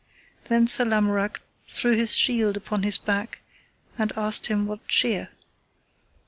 Then Sir Lamorak threw his shield upon his back, and asked him what cheer.